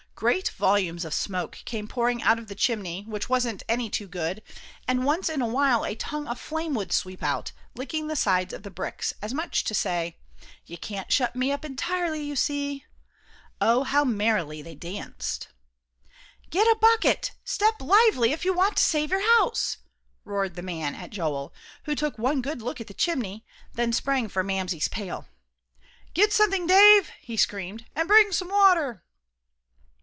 Great volumes of smoke came pouring out of the chimney, which wasn't any too good, and once in a while a tongue of flame would sweep out, licking the sides of the bricks, as much as to say, "You can't shut me up entirely, you see." Oh, how merrily they danced! [Illustration: "''TWAS JUST AS EASY AS NOTHING,' SAID JOEL"] "Get a bucket. Step lively, if you want to save your house!" roared the man at Joel, who took one good look at the chimney, then sprang for Mamsie's pail. "Get something, Dave," he screamed, "and bring some water."